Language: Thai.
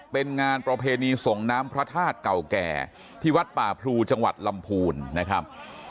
เป็นงานประเพณีส่งน้ำพระธาตุเก่าแก่ที่วัดป่าพรูจังหวัดลำพูนนะครับ